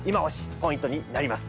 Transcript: ポイントになります。